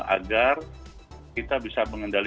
agar kita bisa mengenalpasti